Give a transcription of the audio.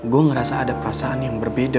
gue ngerasa ada perasaan yang berbeda